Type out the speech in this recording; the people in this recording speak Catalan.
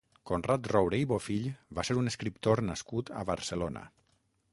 Conrad Roure i Bofill va ser un escriptor nascut a Barcelona.